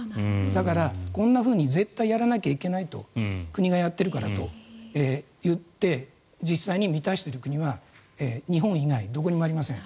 だから、こんなふうに絶対やらなきゃいけないと国がやっているからといって実際に満たしている国は日本以外どこにもありません。